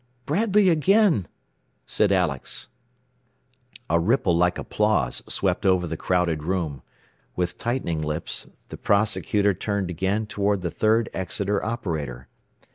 "Bradley again," said Alex. A ripple like applause swept over the crowded room. With tightening lips the prosecutor turned again toward the third Exeter operator.